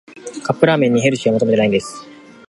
カップラーメンにヘルシーは求めてないんです